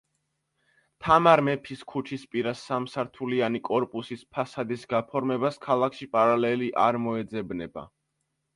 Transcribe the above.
თამარ მეფის ქუჩისპირა სამსართულიანი კორპუსის ფასადის გაფორმებას ქალაქში პარალელი არ მოეძებნება.